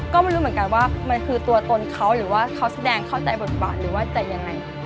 ก็ไม่รู้เหมือนกันว่ามันคือตัวตนเขาหรือว่าเขาแสดงเข้าใจบทบาทหรือว่าจะยังไง